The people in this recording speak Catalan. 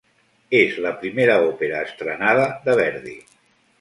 És la primera òpera estrenada de Verdi.